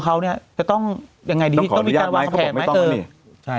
เขาเนี้ยจะต้องยังไงดีต้องมีการวางแผนไม่ต้องไม่มีใช่